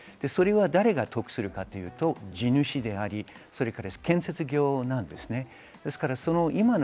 誰が得するかというと地主であり、建設業なんです。